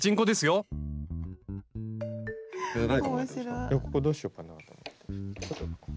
いやここどうしようかなと思って。